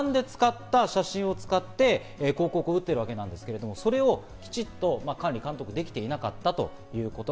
つまり今回は無断で使った写真を使って広告を打っているわけなんですけど、それをきちっと管理・監督できていなかったということ